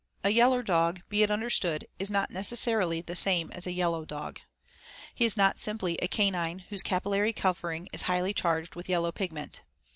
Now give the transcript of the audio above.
A yaller dog, be it understood, is not necessarily the same as a yellow dog. He is not simply a canine whose capillary covering is highly charged with yellow pigment.